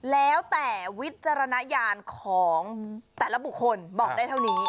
แล้วแต่วิจารณญาณของแต่ละบุคคลบอกได้เท่านี้